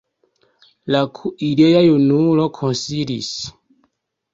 La kuireja junulo konsilis.